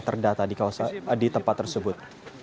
terdata di tempat tersebut